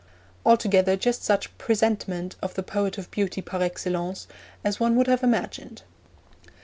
Altogether just such "presentment" of the Poet of Beauty par excellence, as one would have imagined.'